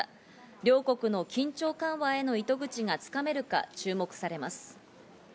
両国の緊張緩和への糸口が掴めるか注目されます。